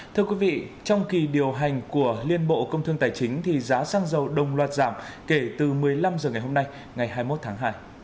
thưa quý vị trong kỳ điều hành của liên bộ công thương tài chính thì giá xăng dầu đồng loạt giảm kể từ một mươi năm h ngày hôm nay ngày hai mươi một tháng hai